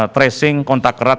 tracing kontak erat